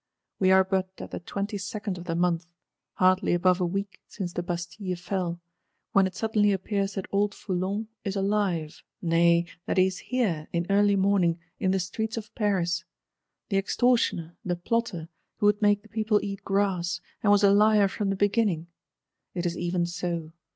We are but at the 22nd of the month, hardly above a week since the Bastille fell, when it suddenly appears that old Foulon is alive; nay, that he is here, in early morning, in the streets of Paris; the extortioner, the plotter, who would make the people eat grass, and was a liar from the beginning!—It is even so.